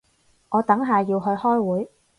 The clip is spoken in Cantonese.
我等下要去開會